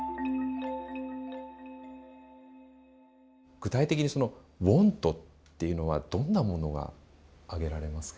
具体的にその「ｗａｎｔ」っていうのはどんなものが挙げられますか？